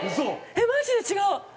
えっマジで違う！